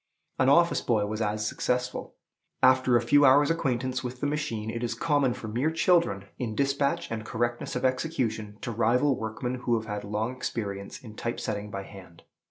An office boy was as successful. After a few hours' acquaintance with the machine, it is common for mere children, in dispatch and correctness of execution, to rival workmen who have had long experience in type setting by hand.